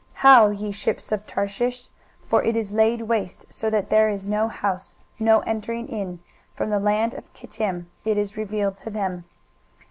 Howl, ye ships of Tarshish; for it is laid waste, so that there is no house, no entering in: from the land of Chittim it is revealed to them.